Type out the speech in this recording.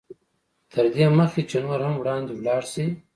تر دې مخکې چې نور هم وړاندې ولاړ شئ.